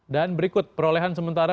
dan berikut perolehan sementara